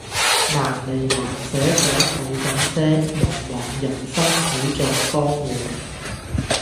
難離難捨想抱緊些茫茫人生好像荒野